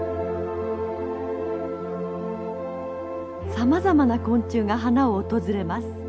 さまざまな昆虫が花を訪れます。